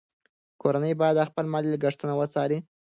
کورنۍ باید خپل مالي لګښتونه وڅاري.